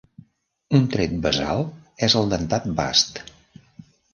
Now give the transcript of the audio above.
Un tret basal és el dentat bast.